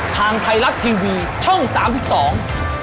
ทางไทยลักษณ์ทีวีช่องสรรคุณสอง